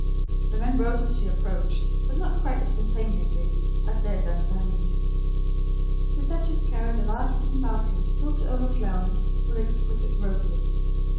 The men rose as she approached, but not quite so spontaneously as they had done for her niece. The duchess carried a large wooden basket filled to overflowing with exquisite roses.